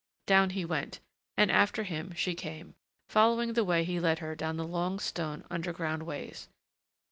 Down he went, and after him she came, following the way he led her down the long stone underground ways.